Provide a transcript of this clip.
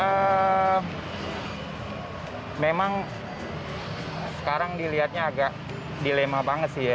ya memang sekarang dilihatnya agak dilema banget sih ya